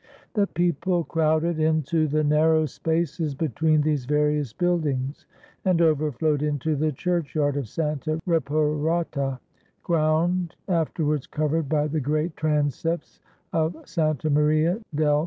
The people crowded into the narrow spaces between these various buildings and overflowed into the church yard of Santa Reparata, ground afterwards covered by the great transepts of Santa Maria del Fiore.